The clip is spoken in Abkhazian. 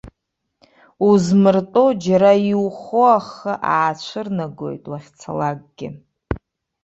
Узмыртәо, џьара иухо ахы аацәырнагоит уахьцалакгьы.